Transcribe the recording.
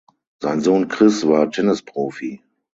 Sein Sohn Chris war Tennisprofi.